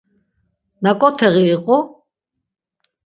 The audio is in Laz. Naǩo teği iqu?